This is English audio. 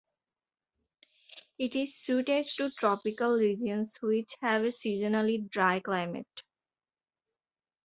It is suited to tropical regions which have a seasonally dry climate.